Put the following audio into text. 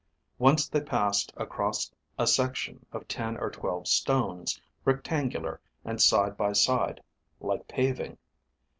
Once they passed across a section of ten or twelve stones, rectangular and side by side, like paving.